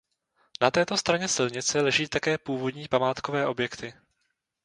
Na této straně silnice leží také původní památkové objekty.